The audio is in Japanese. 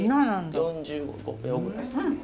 ４５秒ぐらいですね。